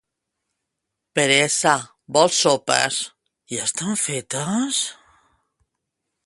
—Peresa, vols sopes? —Ja estan fetes?